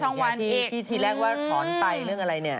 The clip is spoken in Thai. ช่องวันอีกที่แรกว่าถอนไปเรื่องอะไรเนี่ย